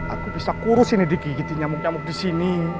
aku bisa kurusin edik gigit nyamuk nyamuk di sini